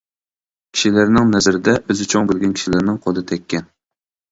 كىشىلەرنىڭ نەزىرىدە ئۆزى چوڭ بىلگەن كىشىلەرنىڭ قولى تەككەن.